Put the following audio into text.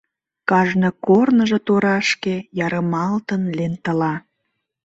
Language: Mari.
Кажне корныжо торашке ярымалтын лентыла.